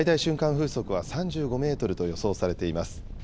風速は３５メートルと予想されています。